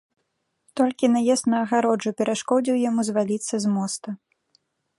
Толькі наезд на агароджу перашкодзіў яму зваліцца з моста.